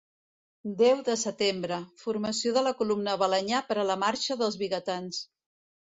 Deu de setembre: formació de la Columna Balenyà per a la Marxa dels Vigatans.